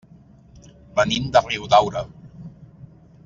Venim de Riudaura.